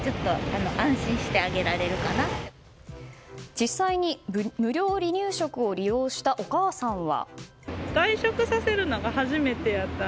実際、無料離乳食を利用したお母さんは。